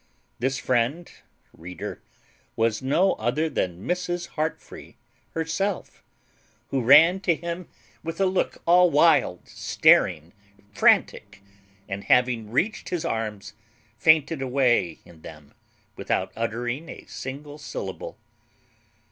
This friend, reader, was no other than Mrs. Heartfree herself, who ran to him with a look all wild, staring, and frantic, and having reached his arms, fainted away in them without uttering a single syllable.